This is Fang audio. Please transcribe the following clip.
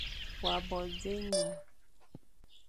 Wa bo dzé ening.